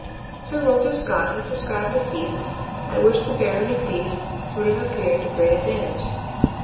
Sir Walter Scott has described a feast at which the baron of beef would have appeared to great advantage.